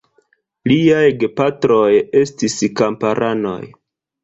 Liaj gepatroj estis kamparanoj.